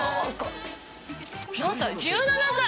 １７歳！